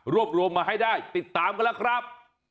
รวบรวมมาให้ได้ติดตามกันแล้วครับ